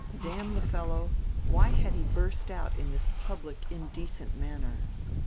Damn the fellow, why had he burst out in this public indecent manner!